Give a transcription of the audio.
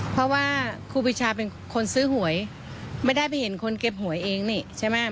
เพราะว่าครูปีชาเป็นคนซื้อหวยไม่ได้ไปเห็นคนเก็บหวยเองนี่ใช่ไหม